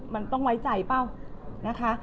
มันต้องไว้ใจเปล่า